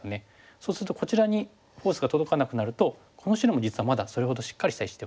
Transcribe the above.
そうするとこちらにフォースが届かなくなるとこの白も実はまだそれほどしっかりした石ではないんですね。